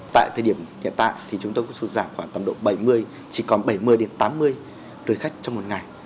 tại thời điểm hiện tại chúng tôi có số giảm khoảng tầm độ bảy mươi chỉ còn bảy mươi đến tám mươi lượt khách trong một ngày